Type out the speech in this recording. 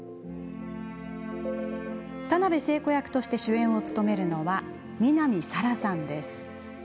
田辺聖子役として主演を務めるのは南沙良さんです。